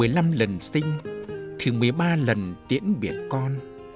một mươi năm lần sinh thì một mươi ba lần tiễn biệt con